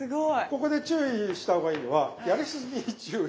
ここで注意した方がいいのはやりすぎに注意。